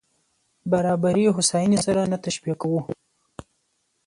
برابري هوساينې سره نه تشبیه کوو.